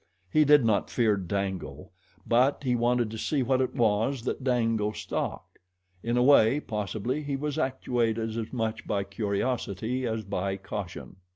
He did not fear Dango; but he wanted to see what it was that Dango stalked. In a way, possibly, he was actuated as much by curiosity as by caution.